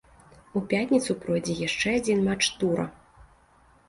У пятніцу пройдзе яшчэ адзін матч тура.